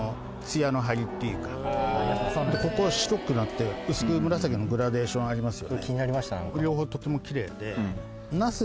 ここ白くなって薄く紫のグラデーションありますよね。